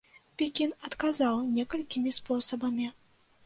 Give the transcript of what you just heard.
Пекін адказаў некалькімі спосабамі.